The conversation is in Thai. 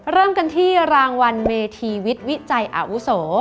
เริ่มกันที่รางวัลเมธีวิทย์วิจัยอาวุโส